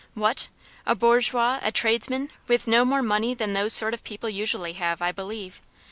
"What! a bourgeois a tradesman? with no more money than those sort of people usually have, I believe.